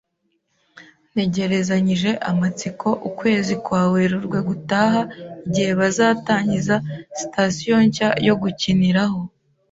Ntegerezanyije amatsiko ukwezi kwa Werurwe gutaha, igihe bazatangiza Sitasiyo nshya yo gukiniraho .